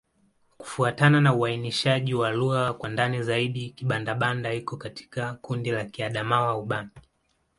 Kufuatana na uainishaji wa lugha kwa ndani zaidi, Kibanda-Banda iko katika kundi la Kiadamawa-Ubangi.